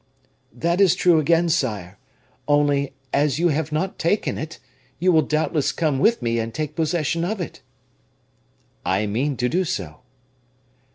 "That is true again, sire. Only, as you have not taken it, you will doubtless come with me and take possession of it." "I mean to do so."